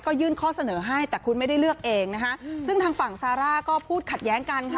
ก็ยื่นข้อเสนอให้แต่คุณไม่ได้เลือกเองนะคะซึ่งทางฝั่งซาร่าก็พูดขัดแย้งกันค่ะ